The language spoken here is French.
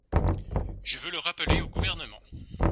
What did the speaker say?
Je veux le rappeler au Gouvernement